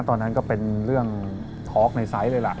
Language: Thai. ตอนนั้นก็เป็นเรื่องทอล์กในไซส์เลยล่ะ